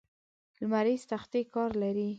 لمریزې تختې کار لري.